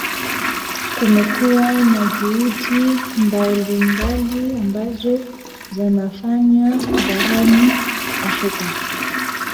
kumekuwa na juhudi mbalimbali ambazo zinafanywa barani afrika